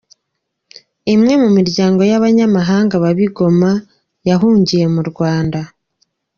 Imwe mu miryango y’abanyamahanga yabaga i Goma yahungiye mu Rwanda.